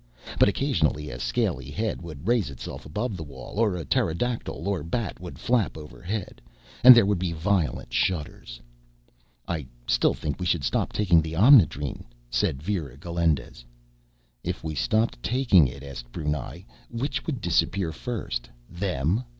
But occasionally, a scaly head would raise itself above the wall, or a pterodactyl or bat would flap overhead, and there would be violent shudders. "I still think we should stop taking the Omnidrene," said Vera Galindez. "If we stopped taking it," asked Brunei, "which would disappear first, them ...